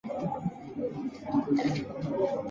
华润集团的现任董事长兼总经理为傅育宁。